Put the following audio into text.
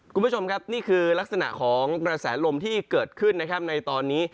คุณผู้ชมครับนี่คือลักษณะของกระแสลมที่เกิดขึ้นนะครับในตอนนี้